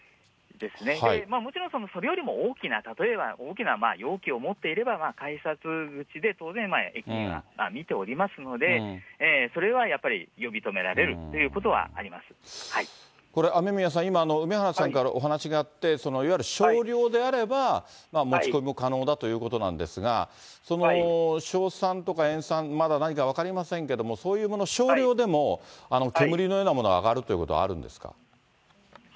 もちろんそれよりも大きな、例えば大きな容器を持っていれば、改札口で当然、駅員は見ておりますので、それはやっぱり呼び止めらこれ、雨宮さん、今、梅原さんからお話があって、いわゆる少量であれば、持ち込みも可能だということなんですが、硝酸とか塩酸、まだ何か分かりませんけれども、そういうもの、少量でも煙のようなものが上がるということはあるんですか。